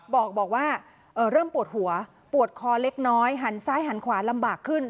บอกว่าเริ่มปวดหัวปวดคอเล็กน้อยหันซ้ายหันขวาลำบากขึ้น